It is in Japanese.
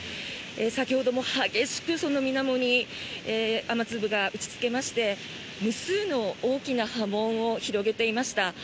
先ほども激しくみなもに雨粒が打ちつけまして無数の大きな波紋を広げていました。